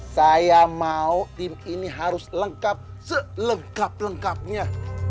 saya mau tim ini harus lengkap selengkap lengkapnya